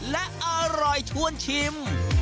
และอร่อยชวนชิม